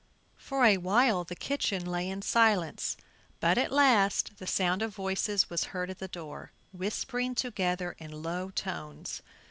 For a while the kitchen lay in silence, but at last the sound of voices was heard at the door, whispering together in low tones.